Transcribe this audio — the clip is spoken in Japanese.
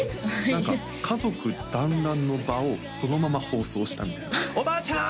何か家族団らんの場をそのまま放送したみたいな「おばあちゃん！」